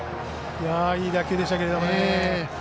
いい打球でしたけれどもね。